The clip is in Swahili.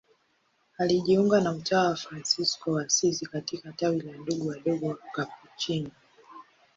Alijiunga na utawa wa Fransisko wa Asizi katika tawi la Ndugu Wadogo Wakapuchini.